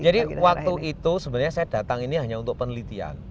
jadi waktu itu sebenarnya saya datang ini hanya untuk penelitian